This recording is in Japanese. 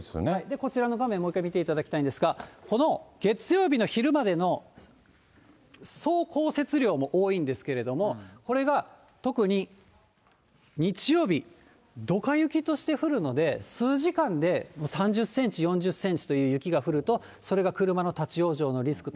こちらの画面、もう一回見ていただきたいんですが、この月曜日の昼までの総降雪量も多いんですけれども、これが特に日曜日、どか雪として降るので、数時間でもう３０センチ、４０センチという雪が降ると、それが車の立往生のリスクと。